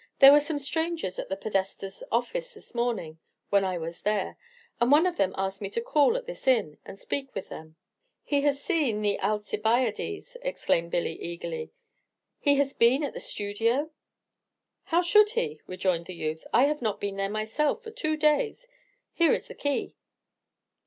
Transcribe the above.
There were some strangers at the Podestà's office this morning when I was there; and one of them asked me to call at this inn, and speak with them." "He has seen the 'Alcibiades,'" exclaimed Billy, eagerly. "He has been at the studio?" "How should he?" rejoined the youth. "I have not been there myself for two days: here is the key!"